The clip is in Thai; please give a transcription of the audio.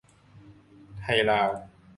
ไทยลาว